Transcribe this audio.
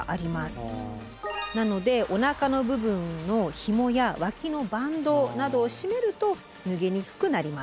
なのでおなかの部分のひもや脇のバンドなどを締めると脱げにくくなります。